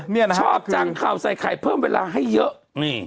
นี่นะชอบจังข่าวใส่ไข่เพิ่มเวลาให้เยอะนี่